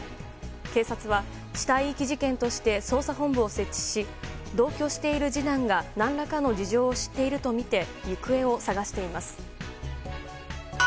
警察は死体遺棄事件として捜査本部を設置し同居している次男が何らかの事情を知っているとみて行方を捜しています。